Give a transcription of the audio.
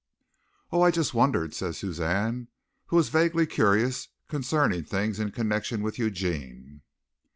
"Oh, I just wondered!" said Suzanne, who was vaguely curious concerning things in connection with Eugene.